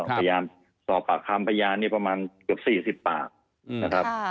หรือพยานสอบปากคำพยานจากภาพนี้พระบุตรประมาณ๔๐ปากนะครับ